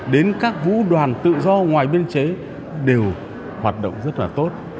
đến các vũ đoàn tự do ngoài biên chế đều hoạt động rất là tốt